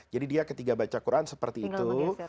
jadi dia ketika baca quran seperti itu